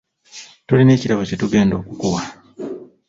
Tulina ekirabo kye tugenda okukuwa.